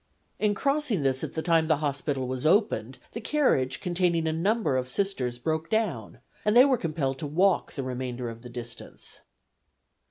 In crossing this at the time the hospital was opened the carriage containing a number of Sisters broke down and they were compelled to walk the remainder of the distance.